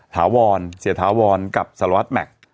ถาวรเสียถาวรกับสารวัตรแม็กซ์